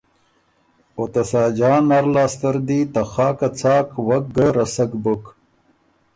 او ته ساجان نر لاسته ر دی ته خاکه څاک وک ګۀ رسک بُک۔